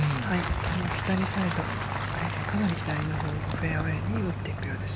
左サイド、かなり左のほうに、フェアウエーに打っていくようです。